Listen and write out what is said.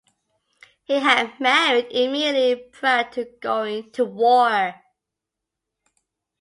He had married immediately prior to going to war.